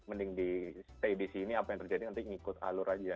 mending stay di sini apa yang terjadi nanti ikut alur saja